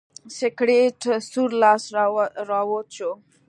د سکلیټ سور لاس راوت شو.